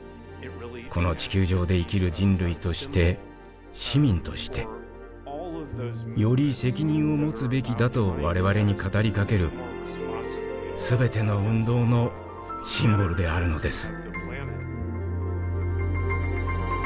この地球上で生きる人類として市民としてより責任を持つべきだと我々に語りかける全ての運動のシンボルであるのです。